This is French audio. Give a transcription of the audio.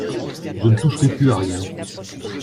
Je ne toucherai plus à rien.